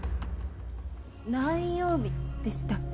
何曜日でしたっけ？